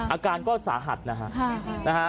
อาการก็สาหัสนะฮะ